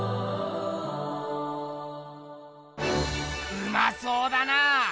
うまそうだな！